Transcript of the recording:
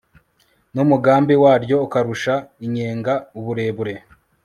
n'umugambi waryo ukarusha inyenga uburebure